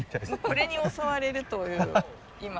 これに襲われるという今恐怖心で。